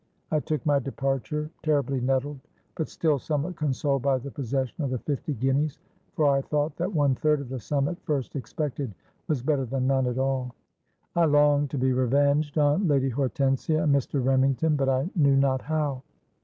'—I took my departure, terribly nettled, but still somewhat consoled by the possession of the fifty guineas; for I thought that one third of the sum at first expected, was better than none at all. "I longed to be revenged on Lady Hortensia and Mr. Remington; but I knew not how.